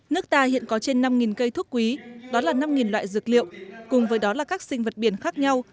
nước ta hiện có trên năm cây thuốc quý đó là năm loại dược liệu cùng với đó là các sinh vật biển khác nhau